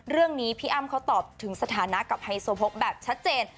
พี่อ้ำเขาตอบถึงสถานะกับไฮโซโพกแบบชัดเจน